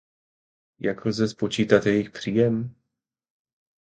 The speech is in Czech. Jak lze spočítat jejich příjem?